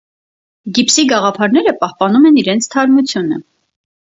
Գիբսի գաղափարները պահպանում են իրենց թարմությունը։